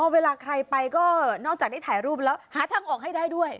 เวลาใครไปก็นอกจากได้ถ่ายรูปแล้วหาทางออกให้ได้ด้วย